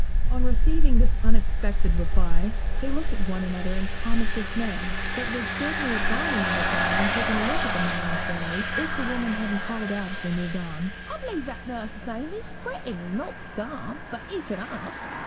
On receiving this unexpected reply, they looked at one another in comic dismay; but would certainly have gone to No. 5, and taken a look at the modern Sairy, if the woman hadn't called out as they moved on 'I b'lieve that nuss's name is Britiain, not Gamp; but you can ask.'